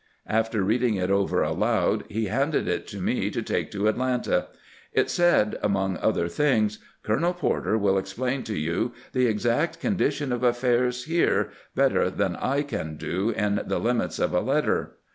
After reading it over aloud, he handed it to me to take to At lanta. It said, among other things :" Colonel Porter wiU explain to you the exact condition of affairs here better than I can do in the limits of a letter.